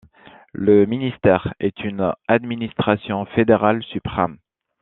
Le ministère est une administration fédérale suprême.